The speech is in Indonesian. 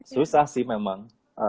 susah sih memang